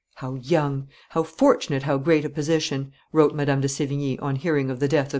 "How young! how fortunate how great a position!" wrote Madame de Sevigne, on hearing of the death of M.